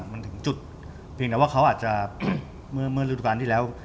มันถึงจุดเพียงแต่ว่าเขาอาจจะเมื่อฤดูการที่แล้ว